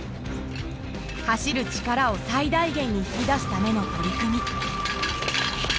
走る力を最大限に引き出すための取り組み。